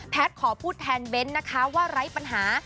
แพทย์ขอพูดแทนเบนส์นะคะว่าไร้ปัญหา